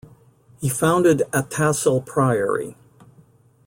He founded Athassel Priory.